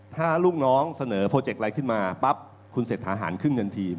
ถ้าลูกน้องเสนอโปรเจ็คอะไรขึ้นมาปั๊บคุณเสร็จทหารครึ่งนาที